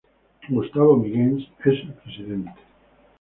Gustavo Miguens es el presidente.